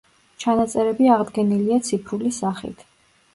ჩანაწერები აღდგენილია ციფრული სახით.